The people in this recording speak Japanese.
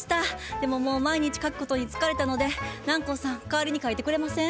でももう毎日書くことに疲れたので南光さん代わりに書いてくれません？